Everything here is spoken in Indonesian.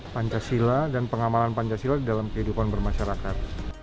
pancasila dan pengamalan pancasila dalam kehidupan bermasyarakat